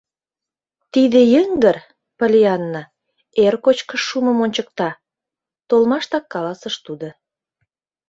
— Тиде йыҥгыр, Поллианна, эр кочкыш шумым ончыкта, — толмаштак каласыш тудо.